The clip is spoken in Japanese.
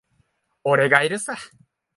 俺がいるさ。